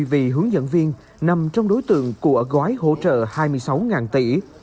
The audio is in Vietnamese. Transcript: anh là hướng dẫn viên nằm trong đối tượng của gói hỗ trợ hai mươi sáu tỷ